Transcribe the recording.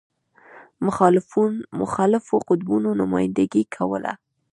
مخالفو قطبونو نمایندګي کوله.